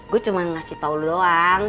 gue cuma ngasih tau doang